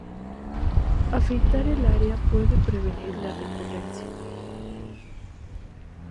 Afeitar el área puede prevenir la recurrencia.